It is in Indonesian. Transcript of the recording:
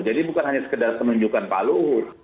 jadi bukan hanya sekedar penunjukan pak luhut